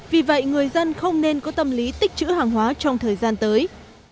vì vậy người dân không nên có tâm lý tích chữ hàng hóa trong thời gian tới